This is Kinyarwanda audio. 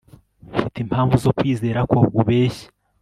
mfite impamvu zo kwizera ko ubeshya